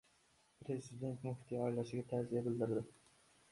Prezident muftiy oilasiga ta’ziya bildirdi